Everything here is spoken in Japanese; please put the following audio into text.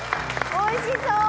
おいしそう！